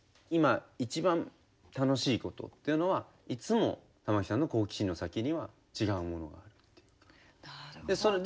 今一番楽しい事っていうのはいつも玉置さんの好奇心の先には違うものがあるっていうか。